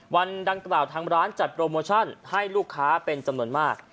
วันดังกล่าวทางร้านจัดโปรโมชั่นให้ลูกค้าเป็นจำนวนมาก